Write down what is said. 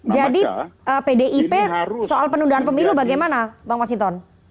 jadi pdip soal penundaan pemilu bagaimana bang mas hinton